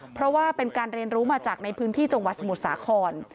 เพราะว่าเป็นการเรียนรู้มาจากในพื้นที่จังหวัดสมุทรสาคร